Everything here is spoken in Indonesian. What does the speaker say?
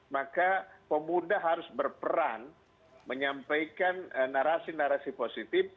maka pemuda harus berperan menyampaikan narasi narasi positif